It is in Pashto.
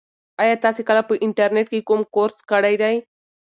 ایا تاسي کله په انټرنيټ کې کوم کورس کړی دی؟